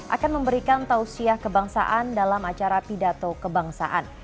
akan memberikan tausiah kebangsaan dalam acara pidato kebangsaan